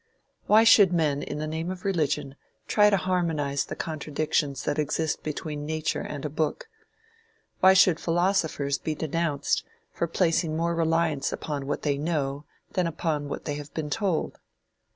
Why should men in the name of religion try to harmonize the contradictions that exist between Nature and a book? Why should philosophers be denounced for placing more reliance upon what they know than upon what they have been told?